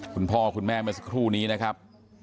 คุณพ่อคุณแม่เมื่อสักครู่นี้นะครับ